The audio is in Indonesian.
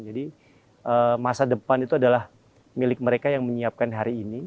jadi masa depan itu adalah milik mereka yang menyiapkan hari ini